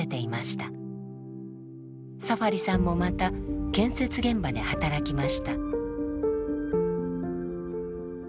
サファリさんもまた建設現場で働きました。